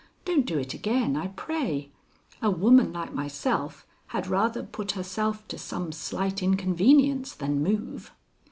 Don't do it again, I pray. A woman like myself had rather put herself to some slight inconvenience than move.